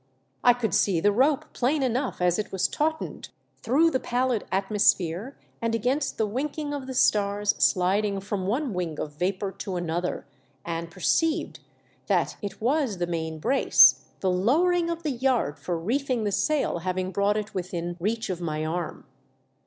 I could see the rope plain enough as it was tautened, through the pallid atmosphere and against the winking of the stare sliding from one wing of vapour to another, and perceived that it was the main brace, the lowering of the yard for reefing the sail having brought it within reach of my arm.